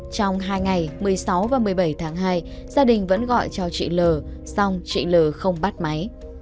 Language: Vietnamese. trong hai ngày một mươi sáu và một mươi bảy tháng hai gia đình vẫn gọi cho chị l song chị l không bắt máy